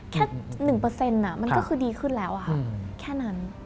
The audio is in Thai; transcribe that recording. แค่๑มันก็คือดีขึ้นแล้วค่ะแค่นั้น